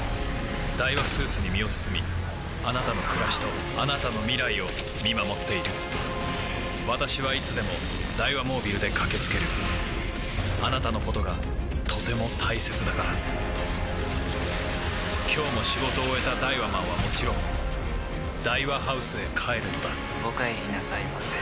ダイワスーツに身を包みあなたの暮らしとあなたの未来を見守っている私はいつでもダイワモービルで駆け付けるあなたのことがとても大切だから今日も仕事を終えたダイワマンはもちろんダイワハウスへ帰るのだお帰りなさいませ。